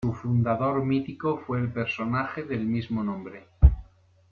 Su fundador mítico fue el personaje del mismo nombre.